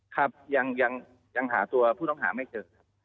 ครับยังหาตัวผู้ต้องหาไม่เจอครับ